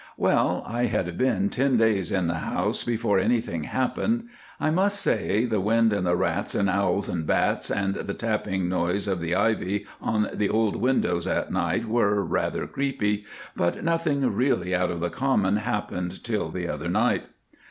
Well, I had been ten days in the house before anything happened. I must say, the wind and the rats, and owls and bats, and the tapping noise of the ivy on the old windows at night were rather creepy, but nothing really out of the common happened till the other night.